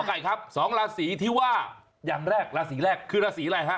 ไก่ครับสองราศีที่ว่าอย่างแรกราศีแรกคือราศีอะไรฮะ